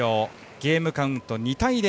ゲームカウント２対０。